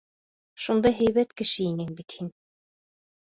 Шундай һәйбәт кеше инең бит һин!